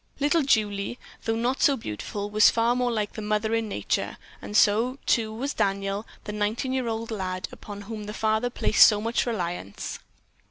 Little Julie, though not so beautiful, was far more like the mother in nature, and so, too, was Daniel, the nineteen year old lad upon whom the father placed so much reliance.